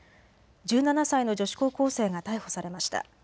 １７歳の女子高校生が逮捕されました。